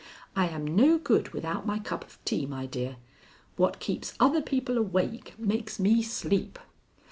I am no good without my cup of tea, my dear. What keeps other people awake makes me sleep."